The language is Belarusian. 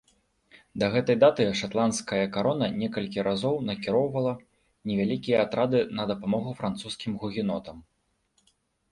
Да гэтай даты шатландская карона некалькі разоў накіроўвала невялікія атрады на дапамогу французскім гугенотам.